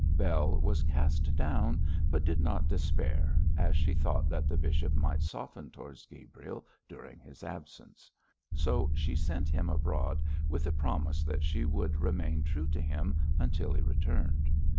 Bell was cast down, but did not despair, as she thought that the bishop might soften towards Gabriel during his absence; so she sent him abroad with a promise that she would remain true to him until he returned.